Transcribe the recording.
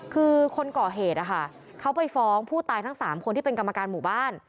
คือคนก่อเหตุนะคะเขาไปฟ้องผู้ตายทั้ง๓คนที่เป็นกรรมการหมู่บ้าน